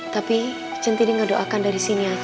tapi centili ngedoakan dari sini aja